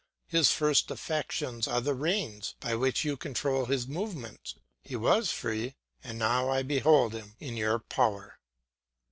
His first affections are the reins by which you control his movements; he was free, and now I behold him in your power.